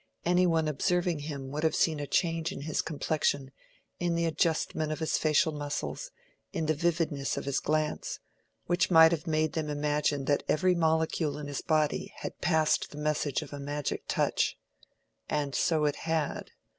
Any one observing him would have seen a change in his complexion, in the adjustment of his facial muscles, in the vividness of his glance, which might have made them imagine that every molecule in his body had passed the message of a magic touch. And so it had.